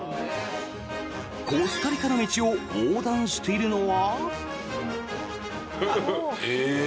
コスタリカの道を横断しているのは？